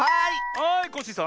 はいコッシーさん。